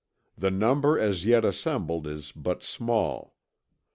The number as yet assembled is but small.